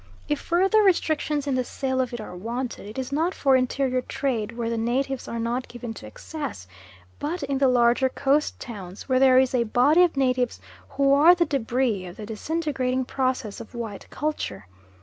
If further restrictions in the sale of it are wanted, it is not for interior trade where the natives are not given to excess, but in the larger Coast towns, where there is a body of natives who are the debris of the disintegrating process of white culture.